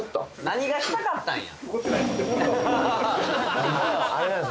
何がしたかったんやははは